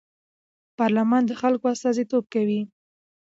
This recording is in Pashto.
پارلمان د خلکو استازیتوب کوي